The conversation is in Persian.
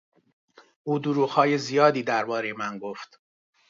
او دروغهای زیادی دربارهی من گفت.